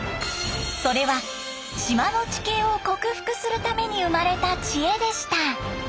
それは島の地形を克服するために生まれた知恵でした。